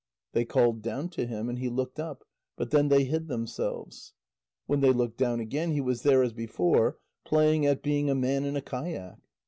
They called down to him, and he looked up, but then they hid themselves. When they looked down again, he was there as before, playing at being a man in a kayak.